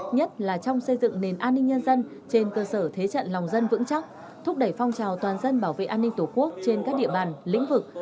nhất là trong xây dựng nền an ninh nhân dân trên cơ sở thế trận lòng dân vững chắc thúc đẩy phong trào toàn dân bảo vệ an ninh tổ quốc trên các địa bàn lĩnh vực